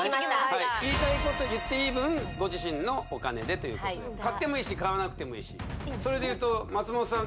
はい言いたいこと言っていい分ご自身のお金でということで買ってもいいし買わなくてもいいしそれでいうと松本さん